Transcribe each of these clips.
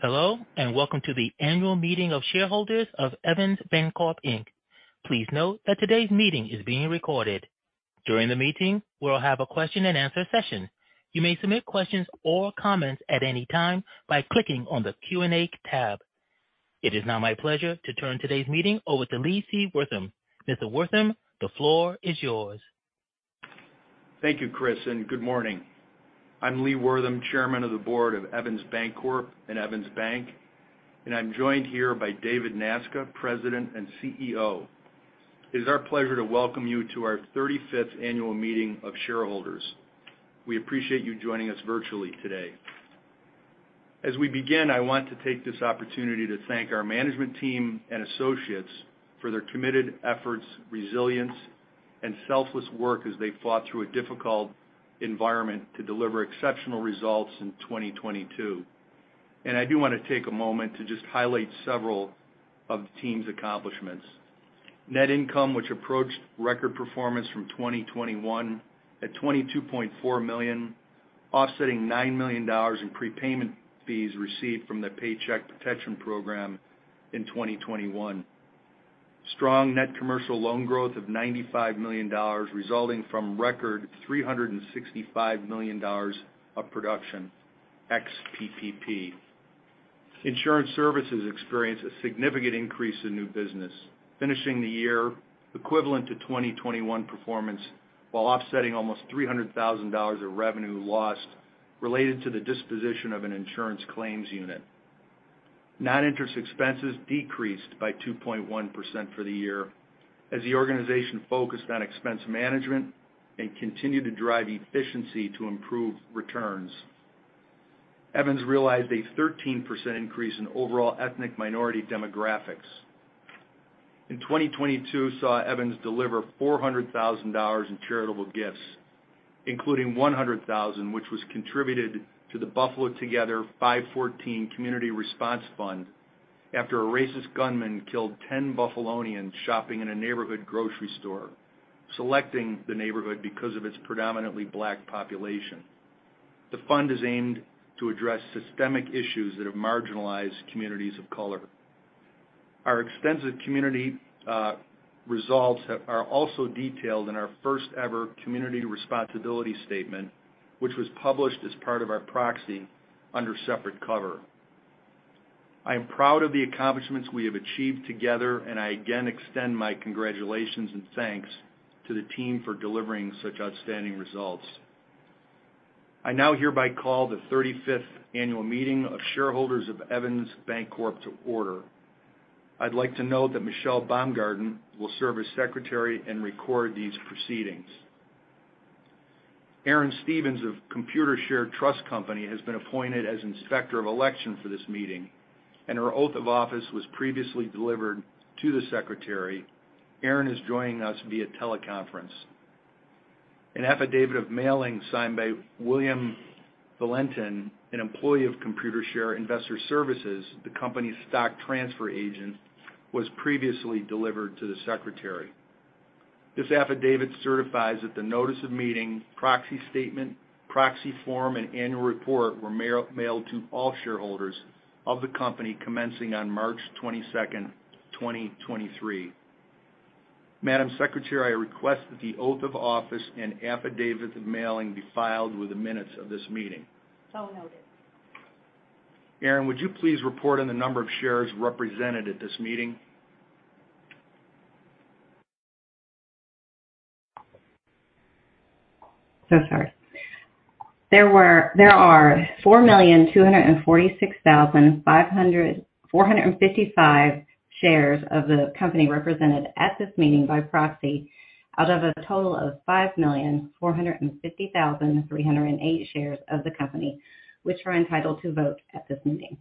Hello. Welcome to the annual meeting of shareholders of Evans Bancorp, Inc. Please note that today's meeting is being recorded. During the meeting, we'll have a question and answer session. You may submit questions or comments at any time by clicking on the Q&A tab. It is now my pleasure to turn today's meeting over to Lee C. Wortham. Mr. Wortham, the floor is yours. Thank you, Chris, and good morning. I'm Lee Wortham, Chairman of the Board of Evans Bancorp and Evans Bank, and I'm joined here by David Nasca, President and CEO. It is our pleasure to welcome you to our 35th annual meeting of shareholders. We appreciate you joining us virtually today. As we begin, I want to take this opportunity to thank our management team and associates for their committed efforts, resilience, and selfless work as they fought through a difficult environment to deliver exceptional results in 2022. I do want to take a moment to just highlight several of the team's accomplishments. Net income, which approached record performance from 2021 at $22.4 million, offset $9 million in prepayment fees received from the Paycheck Protection Program in 2021. Strong net commercial loan growth of $95 million resulting from record $365 million of production, ex-PPP. Insurance services experienced a significant increase in new business, finishing the year equivalent to 2021 performance while offsetting almost $300 thousand of revenue lost related to the disposition of an insurance claims unit. Non-interest expenses decreased by 2.1% for the year as the organization focused on expense management and continued to drive efficiency to improve returns. Evans realized a 13% increase in overall ethnic minority demographics. In 2022 saw Evans deliver $400 thousand in charitable gifts, including $100 thousand which was contributed to the Buffalo Together Community Response Fund after a racist gunman killed 10 Buffalonians shopping in a neighborhood grocery store, selecting the neighborhood because of its predominantly Black population. The fund is aimed to address systemic issues that have marginalized communities of color. Our extensive community results are also detailed in our first-ever community responsibility statement, which was published as part of our proxy under separate cover. I am proud of the accomplishments we have achieved together, and I again extend my congratulations and thanks to the team for delivering such outstanding results. I now hereby call the 35th annual meeting of shareholders of Evans Bancorp to order. I'd like to note that Michelle Baumgarden will serve as secretary and record these proceedings. Erin Stevens of Computershare Trust Company has been appointed as inspector of election for this meeting, and her oath of office was previously delivered to the secretary. Erin is joining us via teleconference. An affidavit of mailing signed by William Valentin, an employee of Computershare Investor Services, the company's stock transfer agent, was previously delivered to the secretary. This affidavit certifies that the notice of meeting, proxy statement, proxy form, and annual report were mailed to all shareholders of the company commencing on March 22, 2023. Madam Secretary, I request that the oath of office and affidavit of mailing be filed with the minutes of this meeting. Noted. Erin, would you please report on the number of shares represented at this meeting? Sorry. There are 4,246,455 shares of the company represented at this meeting by proxy out of a total of 5,450,308 shares of the company, which were entitled to vote at this meeting.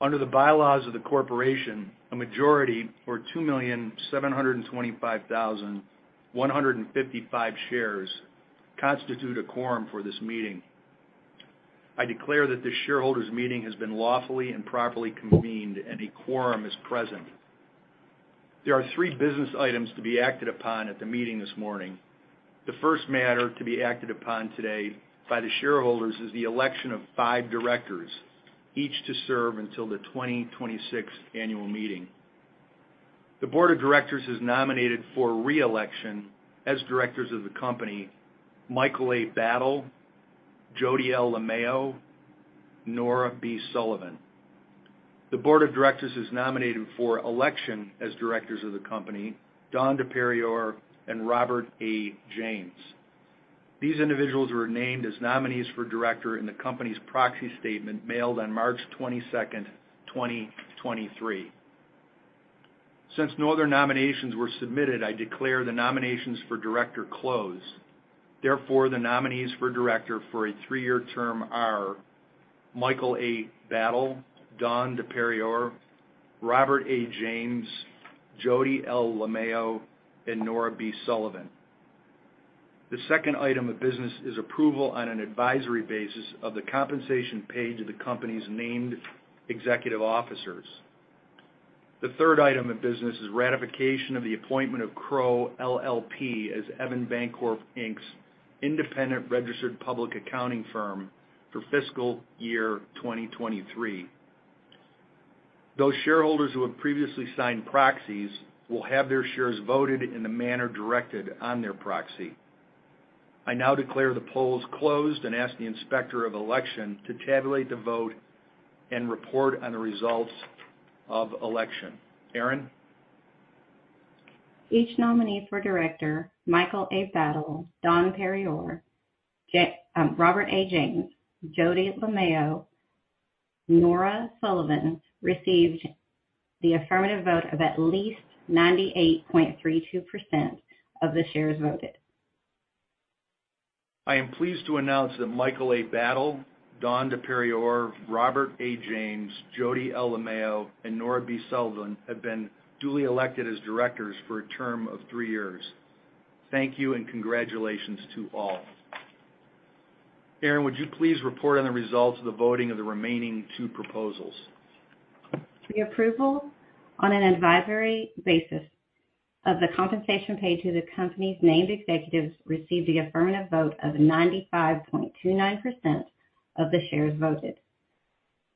Under the bylaws of the corporation, a majority or 2,725,155 shares constitute a quorum for this meeting. I declare that this shareholders' meeting has been lawfully and properly convened, and a quorum is present. There are three business items to be acted upon at the meeting this morning. The first matter to be acted upon today by the shareholders is the election of five directors, each to serve until the 2026 annual meeting. The board of directors has nominated for re-election as directors of the company Michael A. Battle, Jody L. Lomeo, Nora B. Sullivan. The board of directors has nominated for election as directors of the company Dawn DePerrior and Robert A. James. These individuals were named as nominees for director in the company's proxy statement mailed on March 22, 2023. Since no other nominations were submitted, I declare the nominations for director closed. Therefore, the nominees for director for a three-year term are Michael A. Battle, Dawn DePerrior, Robert A. James, Jody L. Lomeo, and Nora B. Sullivan. The second item of business is approval on an advisory basis of the compensation paid to the company's named executive officers. The third item of business is ratification of the appointment of Crowe LLP as Evans Bancorp, Inc.'s independent registered public accounting firm for fiscal year 2023. Those shareholders who have previously signed proxies will have their shares voted in the manner directed on their proxy. I now declare the polls closed and ask the inspector of election to tabulate the vote and report on the results of election. Erin? Each nominee for director, Michael A. Battle, Dawn DePerrior, Robert A. James, Jody Lomeo, Nora Sullivan, received the affirmative vote of at least 98.32% of the shares voted. I am pleased to announce that Michael A. Battle, Dawn DePerrior, Robert A. James, Jody L. Lomeo, and Nora B. Sullivan have been duly elected as directors for a term of three years. Thank you, and congratulations to all. Erin, would you please report on the results of the voting of the remaining 2 proposals? The approval on an advisory basis of the compensation paid to the company's named executives received the affirmative vote of 95.29% of the shares voted.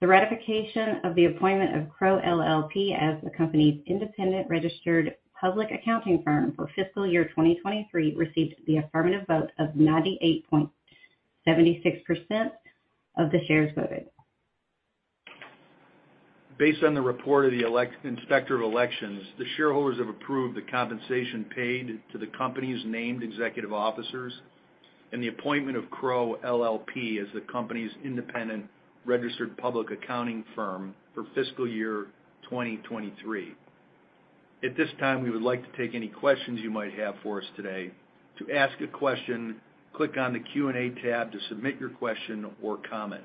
The ratification of the appointment of Crowe LLP as the company's independent registered public accounting firm for fiscal year 2023 received the affirmative vote of 98.76% of the shares voted. Based on the report of the inspector of elections, the shareholders have approved the compensation paid to the company's named executive officers and the appointment of Crowe LLP as the company's independent registered public accounting firm for fiscal year 2023. At this time, we would like to take any questions you might have for us today. To ask a question, click on the Q&A tab to submit your question or comment.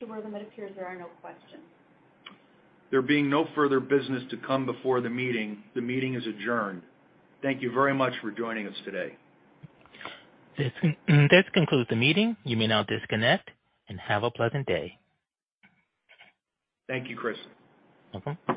The board administers there are no questions. There being no further business to come before the meeting, the meeting is adjourned. Thank you very much for joining us today. This concludes the meeting. You may now disconnect and have a pleasant day. Thank you, Chris. Welcome.